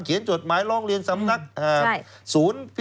จดหมายร้องเรียนสำนักศูนย์